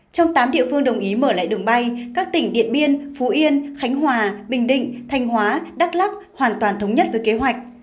trong tám địa phương đồng ý mở lại đường bay các tỉnh điện biên phú yên khánh hòa bình định thanh hóa đắk lắc hoàn toàn thống nhất với kế hoạch